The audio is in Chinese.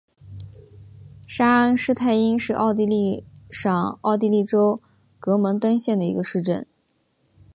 沙恩施泰因是奥地利上奥地利州格蒙登县的一个市镇。